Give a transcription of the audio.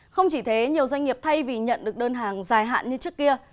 không chỉ thế nhiều doanh nghiệp thay vì nhận được đơn hàng dài hạn như trước kia